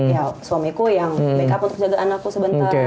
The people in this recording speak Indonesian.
ya suamiku yang make up untuk jaga anakku sebentar